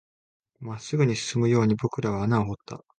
真っ直ぐに進むように僕らは穴を掘った